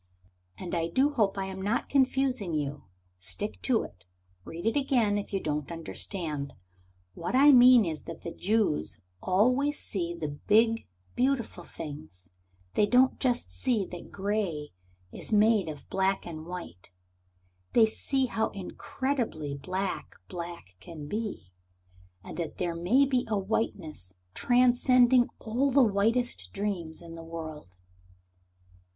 (And I do hope I am not confusing you; stick to it; read it again if you don't understand. What I mean is that the Jews always see the big beautiful things; they don't just see that gray is made of black and white; they see how incredibly black black can be, and that there may be a whiteness transcending all the whitest dreams in the world.)